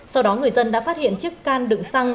sau đó người dân đã phát hiện chiếc can đựng xăng